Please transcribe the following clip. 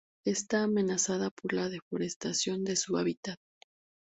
Está amenazada por la deforestación de su hábitat.